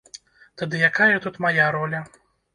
Тады якая тут мая роля?